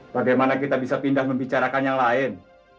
bagaimana kita bisa pindah membicarakan yang lain